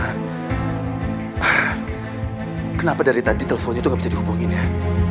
ah kenapa dari tadi telponnya tuh ga bisa dihubungin ya